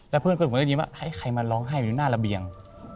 เพื่อนผมก็ได้ยินว่าให้ใครมาร้องไห้อยู่หน้าระเบียง